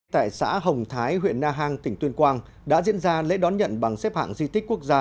tại xã hồng thái huyện na hàng tỉnh tuyên quang đã diễn ra lễ đón nhận bằng xếp hạng di tích quốc gia